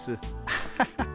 アハハハ。